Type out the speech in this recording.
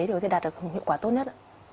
để có thể đạt được hiệu quả tốt nhất